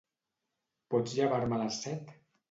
Pots llevar-me a les set?